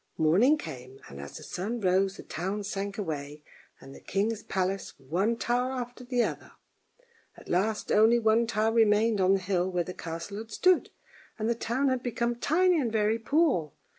Morning came, and as the sun rose the town sank away and the king's palace, one tower after the other; at last only one tower remained on the hill where the castle had stood, and the town had become tiny and very poor.